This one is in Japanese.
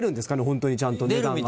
ホントにちゃんと値段が。